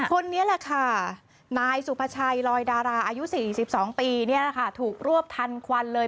คนนี้แหละค่ะนายสุภาชัยลอยดาราอายุ๔๒ปีนี่แหละค่ะถูกรวบทันควันเลย